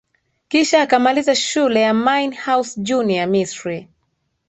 Kisha akamaliza shule ya Mine house Junior Misri